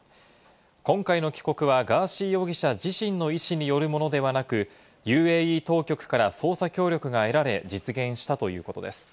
今回の帰国はガーシー容疑者自身の意思によるものではなく、ＵＡＥ当局から捜査協力が得られ、実現したということです。